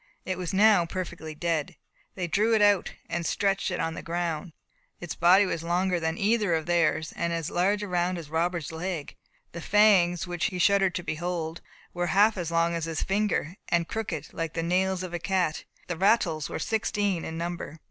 It was now perfectly dead. They drew it out, and stretched it on the ground. Its body was longer than either of theirs, and as large around as Robert's leg. The fangs, which he shuddered to behold, were half as long as his finger, and crooked, like the nails of a cat, and the rattles were sixteen in number.